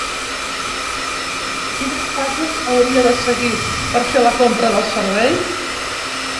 Quines fases hauria de seguir per fer la compra del servei?